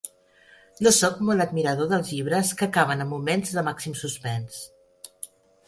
No soc molt admirador dels llibres que acaben amb moments de màxim suspens.